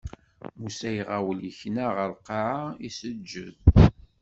Musa iɣawel ikna ɣer lqaɛa, iseǧǧed.